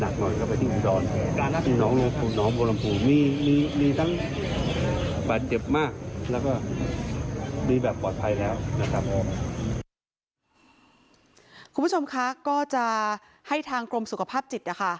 คุณผู้ชมคะก็จะให้ทางกรมสุขภาพจิตนะคะ